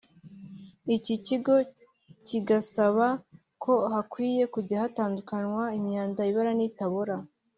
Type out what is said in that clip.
Iki kigo gigasaba ko hakwiye kujya hatandukanywa imyanda ibora n’itabora